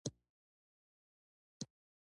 وایي: د خدای لپاره خبره کوم.